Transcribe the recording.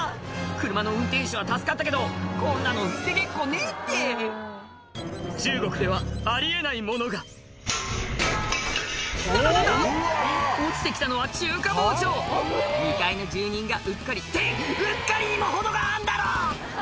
車の運転手は助かったけどこんなの防げっこねえって中国ではあり得ないものが何だ何だ⁉落ちて来たのは中華包丁２階の住人がうっかりってうっかりにも程があんだろ！